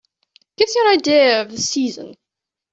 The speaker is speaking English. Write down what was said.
Gives you an idea of the season.